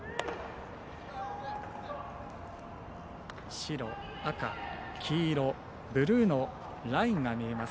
白、赤、黄色ブルーのラインが見えます